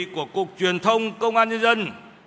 của cục truyền thông công an nhân dân